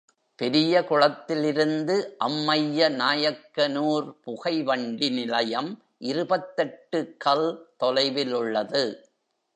பெரிய குளத்திலிருந்து அம்மைய நாயக்கனூர் புகை வண்டி நிலையம் இருபத்தெட்டு கல் தொலைவிலுள்ளது.